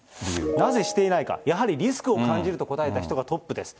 なぜしていないか、やはりリスクを感じると答えた人がトップです。